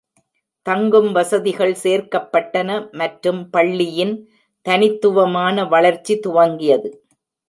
தங்கும் வசதிகள் சேர்க்கப்பட்டன, மற்றும் பள்ளியின் தனித்துவமான வளர்ச்சி துவங்கியது,